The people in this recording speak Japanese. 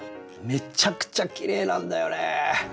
めちゃくちゃきれいなんだよね！